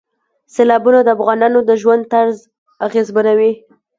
سیلابونه د افغانانو د ژوند طرز اغېزمنوي.